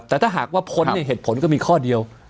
แต่ถ้าหากว่าพ้นเนี่ยเหตุผลก็มีข้อเดียว